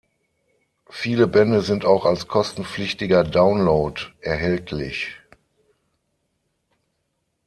Viele Bände sind auch als kostenpflichtiger Download erhältlich.